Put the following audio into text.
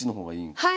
はい。